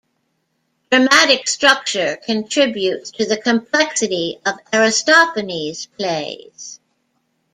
Dramatic structure contributes to the complexity of Aristophanes' plays.